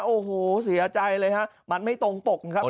โอ้โหเสียใจเลยฮะมันไม่ตรงปกครับ